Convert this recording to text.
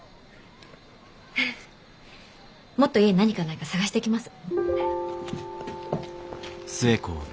フフもっと家に何かないか探してきます。